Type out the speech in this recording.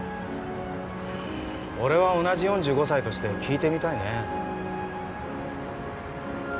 俺は同じ４５歳として聞いてみたいね。